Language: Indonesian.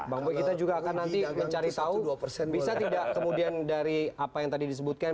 bang boy kita juga akan nanti mencari tahu bisa tidak kemudian dari apa yang tadi disebutkan